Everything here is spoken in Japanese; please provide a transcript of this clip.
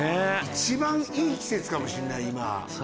一番いい季節かもしんない今。